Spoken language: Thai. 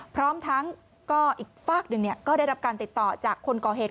พร้อมทั้งก็อีกฝากหนึ่งก็ได้รับการติดต่อจากคนก่อเหตุ